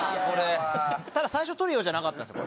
ただ最初トリオじゃなかったんですよ。